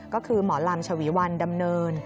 ก็คือหมอลำฉวีวันดำเนิน